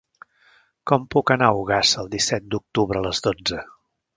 Com puc anar a Ogassa el disset d'octubre a les dotze?